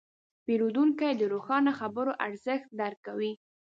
پیرودونکی د روښانه خبرو ارزښت درک کوي.